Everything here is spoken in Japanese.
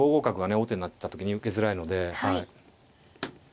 王手になった時に受けづらいのではい。